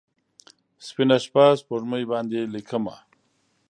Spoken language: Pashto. سپینه شپه، سپوږمۍ باندې لیکمه